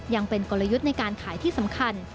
ยังเป็นกลยุทธ์ในการขายที่สำคัญ